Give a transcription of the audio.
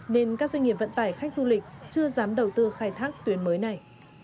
nên các doanh nghiệp vận tải khách du lịch chưa dám đầu tư khai thác tuyến mới này